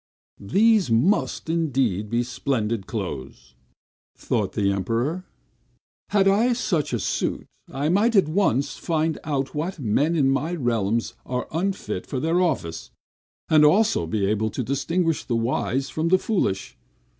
"These must, indeed, be splendid clothes!" thought the Emperor. "Had I such a suit, I might at once find out what men in my realms are unfit for their office, and also be able to distinguish the wise from the foolish!